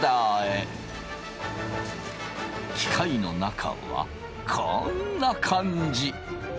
機械の中はこんな感じ。